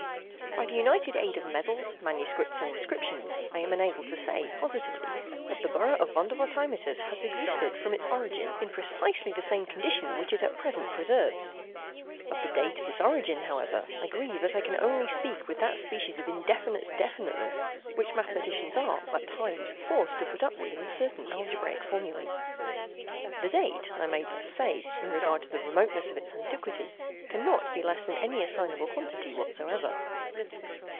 By the united aid of medals, manuscripts, and inscriptions, I am enabled to say, positively, that the borough of Vondervotteimittiss has existed, from its origin, in precisely the same condition which it at present preserves. Of the date of this origin, however, I grieve that I can only speak with that species of indefinite definiteness which mathematicians are, at times, forced to put up with in certain algebraic formulae. The date, I may thus say, in regard to the remoteness of its antiquity, cannot be less than any assignable quantity whatsoever.